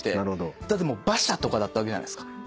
だって馬車とかだったわけじゃないですか。